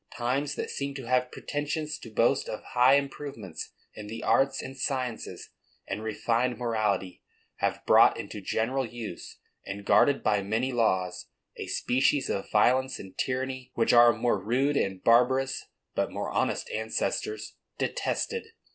Times that seem to have pretensions to boast of high improvements in the arts and sciences, and refined morality, have brought into general use, and guarded by many laws, a species of violence and tyranny which our more rude and barbarous, but more honest ancestors detested.